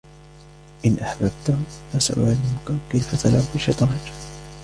إن أحببت ، فسأعلمك كيف تلعب الشطرنج.